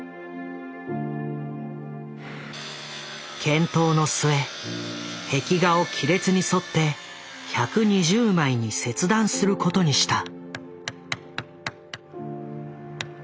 検討の末壁画を亀裂に沿って１２０枚に切断することにした。